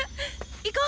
行こう！